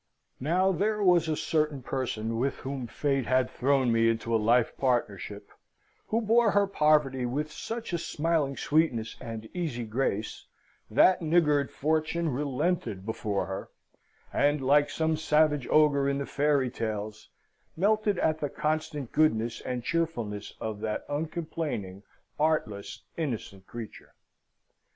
Now there was a certain person with whom Fate had thrown me into a life partnership, who bore her poverty with such a smiling sweetness and easy grace, that niggard Fortune relented before her, and, like some savage Ogre in the fairy tales, melted at the constant goodness and cheerfulness of that uncomplaining, artless, innocent creature.